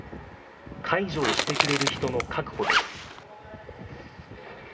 介助をしてくれる人の確保です。